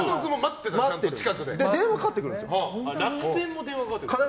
電話がかかってくるんです。